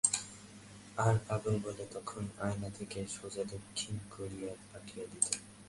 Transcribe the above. আর পাগল বলে তখন চায়না থেকে সোজা দক্ষিণ কোরিয়ায় পাঠিয়ে দিত।